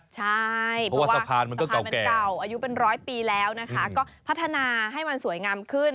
ใช่เพราะว่าสะพานมันเก่าอายุเป็นร้อยปีแล้วนะคะก็พัฒนาให้มันสวยงามขึ้น